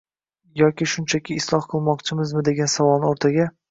yoki shunchaki isloh qilmoqchimizmi degan savolni o‘rtaga